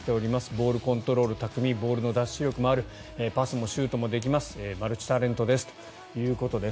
ボールコントロール巧みボールの奪取力もあるパスもシュートもできますマルチタレントですということです。